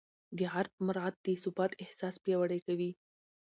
د عرف مراعات د ثبات احساس پیاوړی کوي.